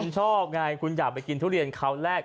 คุณชอบไงคุณอยากไปกินทุเรียนคราวแรก